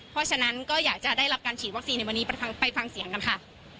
เพราะฉะนั้นก็อยากจะได้รับการฉีดวัคซีนในวันนี้ไปฟังเสียงกันค่ะ